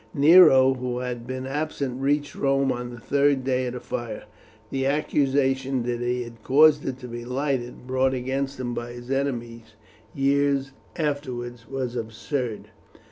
Nero, who had been absent, reached Rome on the third day of the fire. The accusation that he had caused it to be lighted, brought against him by his enemies years afterwards, was absurd.